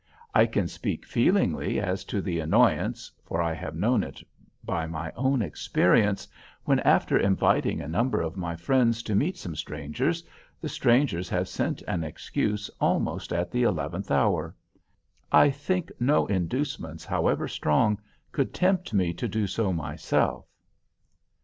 I can speak feelingly as to the annoyance (for I have known it by my own experience) when after inviting a number of my friends to meet some strangers, the strangers have sent an excuse almost at the eleventh hour. I think no inducements, however strong, could tempt me to do so myself."